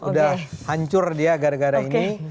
udah hancur dia gara gara ini